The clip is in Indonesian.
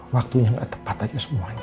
waktu yang tepat aja semuanya